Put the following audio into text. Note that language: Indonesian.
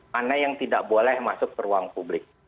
mana yang tidak boleh masuk ke ruang publik